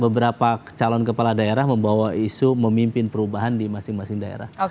beberapa calon kepala daerah membawa isu memimpin perubahan di masing masing daerah